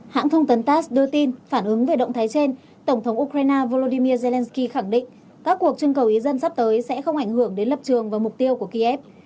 hãng thông tấn tass đưa tin phản ứng về động thái trên tổng thống ukraine volodymyr zelensky khẳng định các cuộc trưng cầu ý dân sắp tới sẽ không ảnh hưởng đến lập trường và mục tiêu của kiev